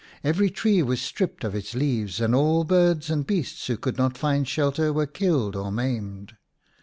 Every tree was stripped of its leaves and all birds and beasts who could not find shelter were killed or maimed.